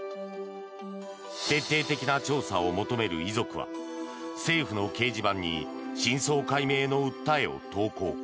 徹底的な調査を求める遺族は政府の掲示板に真相解明の訴えを投稿。